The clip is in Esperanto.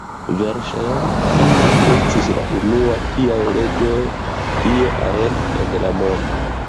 Verŝajne, tiuj estis la unua tiaj leĝoj ie ajn en la mondo.